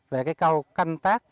về cái khâu canh tác